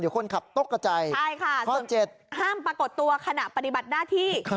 เดี๋ยวคนขับตกกระใจใช่ค่ะข้อเจ็ดห้ามปรากฏตัวขณะปฏิบัติหน้าที่